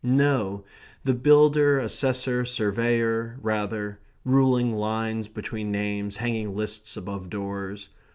No, the builder, assessor, surveyor, rather; ruling lines between names, hanging lists above doors.